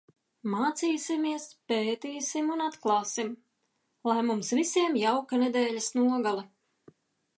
Mācīsimies, pētīsim un atklāsim. Lai mums visiem jauka nedēļas nogale!